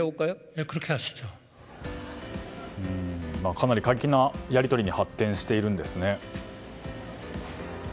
かなり過激なやり取りに発展しているんですね。